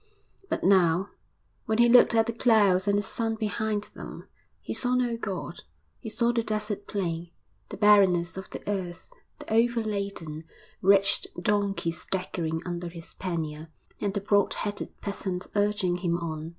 But now, when he looked at the clouds and the sun behind them, he saw no God; he saw the desert plain, the barrenness of the earth, the overladen, wretched donkey staggering under his pannier, and the broad hatted peasant urging him on.